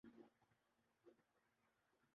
bridal fashion week میں اداکاراں models کے جلوے